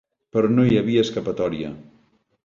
Però no hi havia escapatòria.